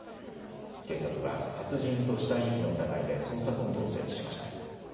警察は、殺人と死体遺棄の疑いで捜査本部を設置しました。